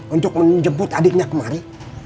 untuk menjemput adiknya kemari